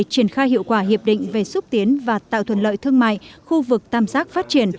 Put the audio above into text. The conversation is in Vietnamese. triển khai hiệu quả hiệp định về xúc tiến và tạo thuận lợi thương mại khu vực tam giác phát triển